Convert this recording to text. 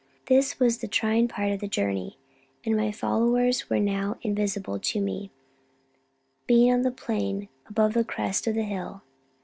This was the trying part of the journey, and my followers were now invisible to me, being on the plain above the crest of the hill.